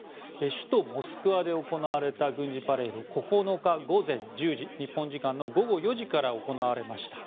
首都モスクワで行われた軍事パレード９日午前１０時日本時間の午後４時から行われました。